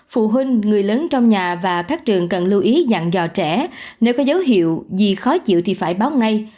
phụ huynh người lớn trong nhà và các trường cần lưu ý dặn dò trẻ nếu có dấu hiệu gì khó chịu thì phải báo ngay